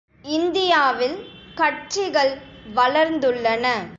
இந்தியாவில் கட்சிகள் வளர்ந்துள்ளன.